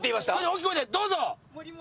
大きい声でどうぞ！